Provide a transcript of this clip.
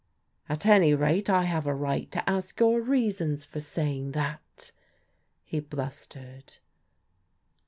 "At any rate I have a right to ask your reasons for saying that," he blustered.